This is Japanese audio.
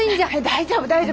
大丈夫大丈夫。